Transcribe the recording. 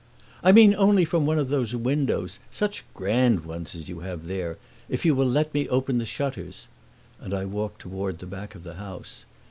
"I mean only from one of those windows such grand ones as you have here if you will let me open the shutters." And I walked toward the back of the house.